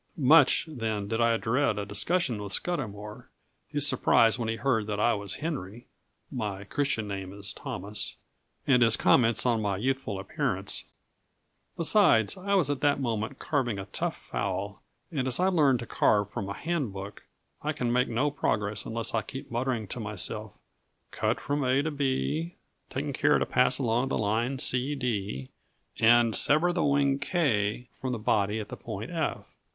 Much, then, did I dread a discussion with Scudamour, his surprise when he heard that I was Henry (my Christian name is Thomas), and his comments on my youthful appearance. Besides, I was at that moment carving a tough fowl; and, as I learned to carve from a handbook, I can make no progress unless I keep muttering to myself, "Cut from A to B, taking care to pass along the line C D, and sever the wing K from the body at the point F."